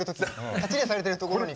立ちでされてるところに。